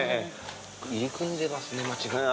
入り組んでますね町が。